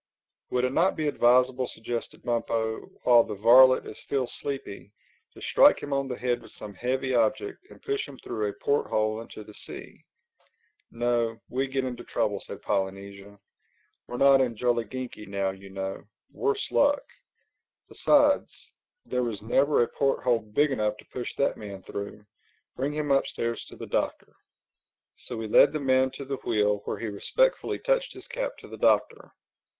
"Would it not be, advisable," suggested Bumpo, "while the varlet is still sleepy, to strike him on the head with some heavy object and push him through a port hole into the sea?" "No. We'd get into trouble," said Polynesia. "We're not in Jolliginki now, you know—worse luck!—Besides, there never was a port hole big enough to push that man through. Bring him upstairs to the Doctor." So we led the man to the wheel where he respectfully touched his cap to the Doctor.